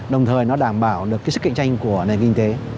đồng thời nó đảm bảo được cái sức cạnh tranh của nền kinh tế